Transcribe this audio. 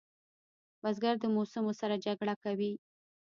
بزګر د موسمو سره جګړه کوي